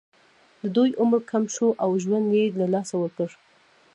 د دوی عمر کم شو او ژوند یې له لاسه ورکړ.